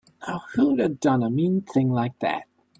Now who'da done a mean thing like that?